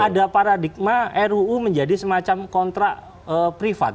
ada paradigma ruu menjadi semacam kontrak privat